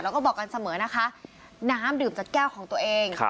แล้วก็บอกกันเสมอนะคะน้ำดื่มจากแก้วของตัวเอง